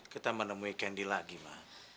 kita menemui candy lagi ma